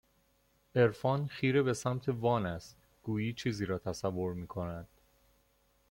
عرفان خیره به سمت وان است گویی چیزی را تصور میکند